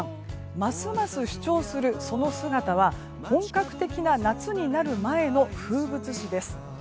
ますます主張するその姿は本格的な夏になる前の風物詩です。